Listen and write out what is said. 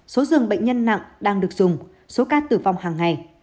số dường bệnh nhân nặng đang được dùng số ca tử vong hàng ngày